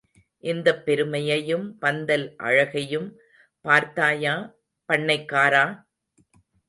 இந்தப் பெருமையையும் பந்தல் அழகையும் பார்த்தாயா பண்ணைக்காரா?